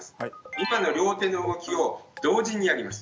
今の両手の動きを同時にやります。